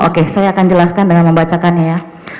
oke saya akan jelaskan dengan membacakannya ya